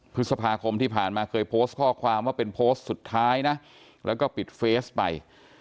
พฤษภาคมที่ผ่านมาเคยโพสต์ข้อความว่าเป็นโพสต์สุดท้ายนะแล้วก็ปิดเฟสไป